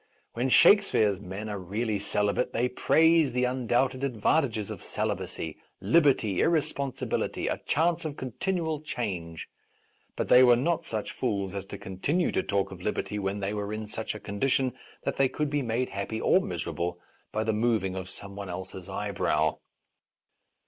When Shakespeare's men are really celibate they praise the undoubted advantages of celibacy, liberty, irresponsi bility, a chance of continual change. But they were not such fools as to continue to talk of liberty when they were in such a condition that they could be made happy or miserable by the moving of some one I A Defence of Rash Vows , else's eyebrow.